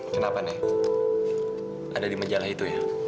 kenapa nek ada di meja lah itu ya